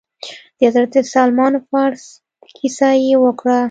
د حضرت سلمان فارس کيسه يې وکړه.